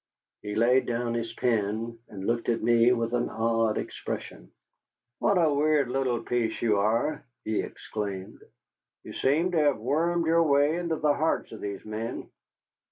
He laid down his pen and looked at me with an odd expression. "What a weird little piece you are," he exclaimed; "you seem to have wormed your way into the hearts of these men.